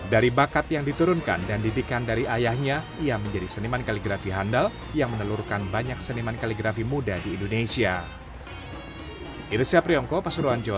dari bakat yang diturunkan dan didikan dari ayahnya ia menjadi seniman kaligrafi handal yang menelurkan banyak seniman kaligrafi muda di indonesia